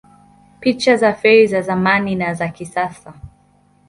Picha za feri za zamani na za kisasa